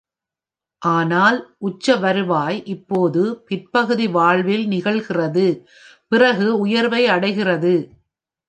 ஆனால் உச்ச வருவாய் இப்போது பிற்பகுதி வாழ்வில் நிகழ்கிறது, பிறகு உயர்வை அடைகிறது.